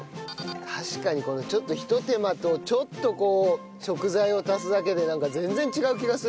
確かにこのちょっとひと手間とちょっとこう食材を足すだけでなんか全然違う気がする。